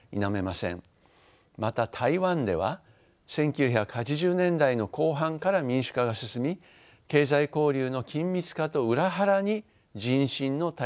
また台湾では１９８０年代の後半から民主化が進み経済交流の緊密化と裏腹に人心の大陸離れが進んでいます。